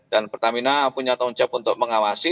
dan pertamina punya tahun jab untuk mengawasi